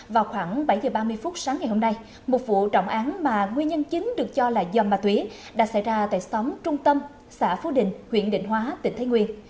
vào khoảng bảy h ba mươi phút sáng ngày hôm nay một vụ trọng án mà nguyên nhân chính được cho là do ma túy đã xảy ra tại xóm trung tâm xã phú đình huyện định hóa tỉnh thái nguyên